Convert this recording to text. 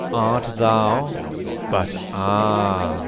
Art thou — but, ah